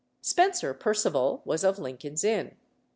Spencer Perceval was of Lincoln's Inn.